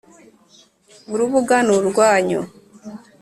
urubuga ni urwanyu